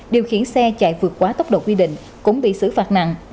điều khiển xe chạy vượt quá tốc độ quy định cũng bị xử phạt nặng